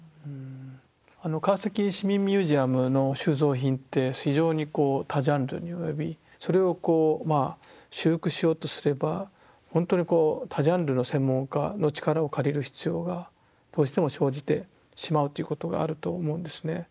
川崎市民ミュージアムの収蔵品って非常にこう多ジャンルに及びそれをこうまあ修復しようとすればほんとにこう多ジャンルの専門家の力を借りる必要がどうしても生じてしまうということがあると思うんですね。